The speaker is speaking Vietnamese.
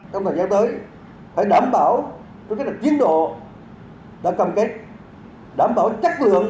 trong thời gian tới phải đảm bảo đó chính là chiến độ đã công kết đảm bảo chất lượng